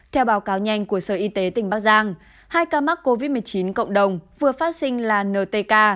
theo báo cáo nhanh của sở y tế tỉnh bắc giang hai ca mắc covid một mươi chín cộng đồng vừa phát sinh là ntk